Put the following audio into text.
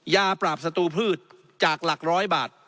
ยาปราบสตูพืชจากหลักร้อยบาท